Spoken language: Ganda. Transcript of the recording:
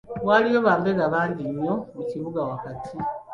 Waliyo bambega bangi nnyo mu kibuga wakati.